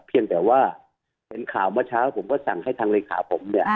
เพียงแต่ว่าเห็นข่าวเมื่อเช้าผมก็สั่งให้ทางเลขาผมเนี่ย